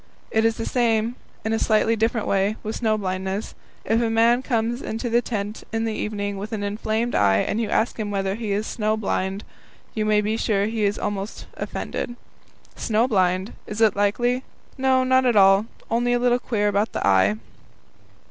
It is the same, in a slightly different way, with snow blindness. If a man comes into the tent in the evening with an inflamed eye and you ask him whether he is snow blind, you may be sure he will be almost offended. "Snow blind? Is it likely? No, not at all, only a little queer about the eye."